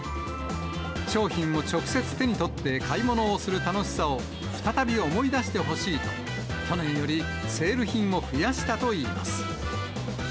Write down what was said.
商品を直接手に取って買い物をする楽しさを再び思い出してほしいと、去年よりセール品を増やしたといいます。